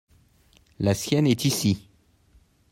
la sienne est ici.